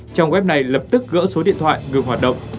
trang web này lập tức gỡ số điện thoại ngừng hoạt động